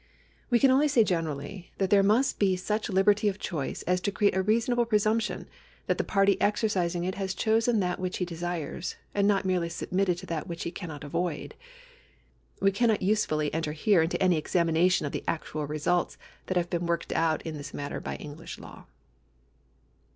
We can only say generally, that there must be such liberty of choice as to create a reasonable presumption that the party exercising it has chosen that which he desires, and not merely submitted to that which he cannot avoid. We cannot usefully enter here into any examination of the actual results that have been worked out in this matter by English law.